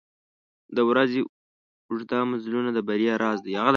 • د ورځې اوږده مزلونه د بریا راز دی.